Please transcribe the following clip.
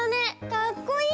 かっこいい！